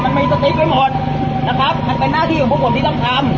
มันมีสติ๊กไว้หมดนะครับมันเป็นหน้าที่ของพวกผมที่ต้องทำ